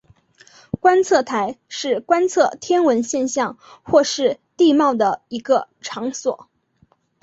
观测台是观测天文现象或是地貌的一个场所。